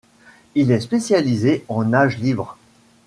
Il est spécialisé en nage libre.